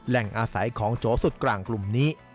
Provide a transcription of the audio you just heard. อาศัยของโจสุดกลางกลุ่มนี้